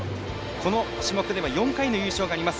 この種目では４回の優勝があります。